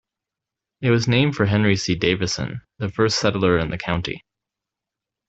It was named for Henry C. Davison, the first settler in the county.